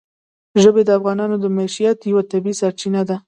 ژبې د افغانانو د معیشت یوه طبیعي سرچینه ده.